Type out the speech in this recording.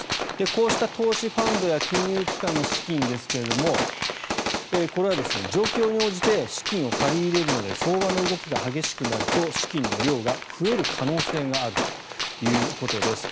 こうした投資ファンドや金融機関の資金ですがこれは状況に応じて資金を借り入れるので相場の動きが激しくなると資金の量が増える可能性があるということです。